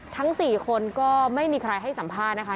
ทั้ง๔คนก็ไม่มีใครให้สัมภาษณ์นะคะ